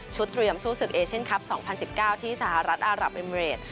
เตรียมสู้ศึกเอเชียนคลับ๒๐๑๙ที่สหรัฐอารับเอมเรด